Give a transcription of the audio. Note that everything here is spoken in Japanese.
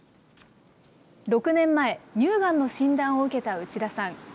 ６年前、乳がんの診断を受けた内田さん。